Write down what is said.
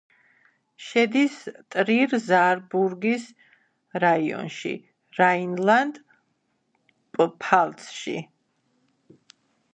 შედის ტრირ-ზაარბურგის რაიონში, რაინლანდ-პფალცში.